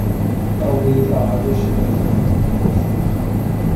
Talvez a água estivesse muito quente.